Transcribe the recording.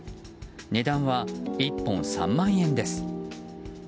値段は１本３万円です。